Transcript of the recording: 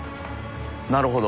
なるほど。